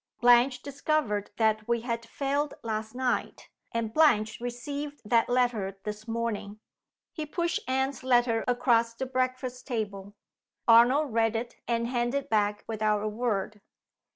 Blanche discovered that we had failed last night and Blanche received that letter this morning." He pushed Anne's letter across the breakfast table. Arnold read it, and handed it back without a word.